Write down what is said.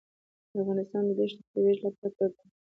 افغانستان د ښتې د ترویج لپاره پروګرامونه لري.